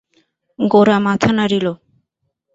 গোরা মাথা নাড়িল।